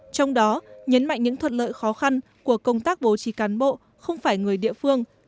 trong đó nhấn mạnh những thuật lợi khó khăn của công tác bố trí cán bộ không phải người địa phương